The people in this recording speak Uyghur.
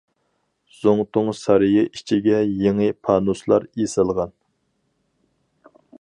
زۇڭتۇڭ سارىيى ئىچىگە يېڭى پانۇسلار ئېسىلغان.